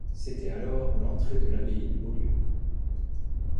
C'était alors l'entrée de l'abbaye de Beaulieu.